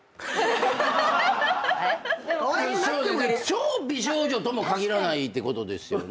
超美少女とも限らないってことですよね。